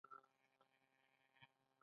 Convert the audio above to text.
زرنج له ایران سره پوله لري.